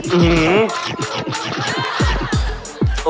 หือหือ